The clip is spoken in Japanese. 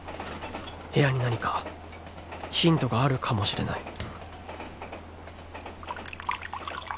「部屋に何かヒントがあるかもしれない」